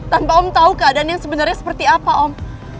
tanpa om tahu keadaan yang sebenarnya seperti apa om